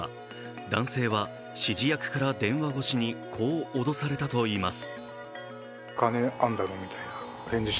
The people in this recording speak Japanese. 男性は指示役から電話越しにこう脅されたといいます。